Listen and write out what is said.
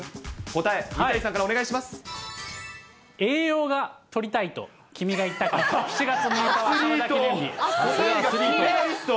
答え、栄養がとりたいと君が言ったから、アスリート。